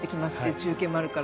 中継があるから。